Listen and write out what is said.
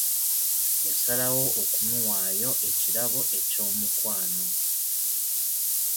Yasalawo okumuwaayo ekirabo eky'omukwano.